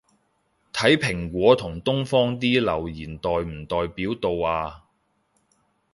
睇蘋果同東方啲留言代唔代表到吖